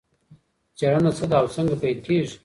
څېړنه څه ده او څنګه پیل کېږي؟